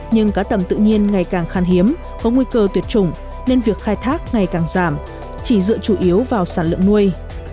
nhưng cá tầm tự nhiên ngày càng khan hiếm có nguy cơ tuyệt chủng nên việc khai thác ngày càng giảm chỉ dựa chủ yếu vào sản lượng nuôi